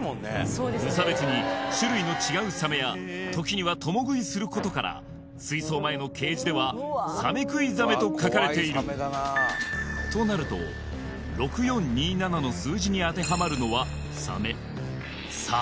無差別に種類の違うサメや時には共食いすることから水槽前の掲示では「サメ喰いザメ」と書かれているとなると「６４２７」の数字に当てはまるのはサメさあ